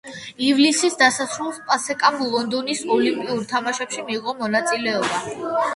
ივლისის დასასრულს პასეკამ ლონდონის ოლიმპიურ თამაშებში მიიღო მონაწილეობა.